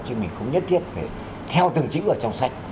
chứ mình không nhất thiết phải theo từng chính ở trong sách